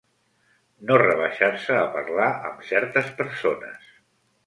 No rebaixar-se a parlar amb certes persones.